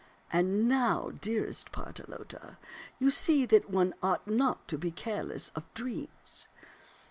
And now, dearest Partelote, you see that one ought not to be careless of dreams.